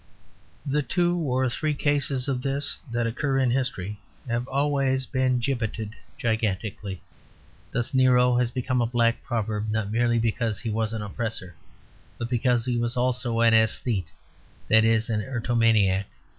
The two or three cases of this that occur in history have always been gibbeted gigantically. Thus Nero has become a black proverb, not merely because he was an oppressor, but because he was also an aesthete that is, an erotomaniac.